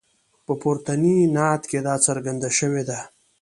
په پورتني نعت کې دا څرګنده شوې ده.